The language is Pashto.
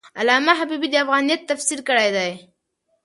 علامه حبیبي د افغانیت تفسیر کړی دی.